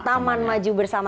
taman maju bersama